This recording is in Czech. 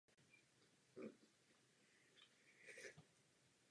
Snaží se tedy fyzikálně realistický vzhled scény.